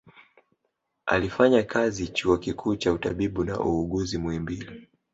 Alifanya kazi chuo kikuu cha utabibu na uuguzi muhimbili